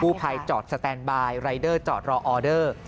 ภัยจอดสแตนบายรายเดอร์จอดรอออเดอร์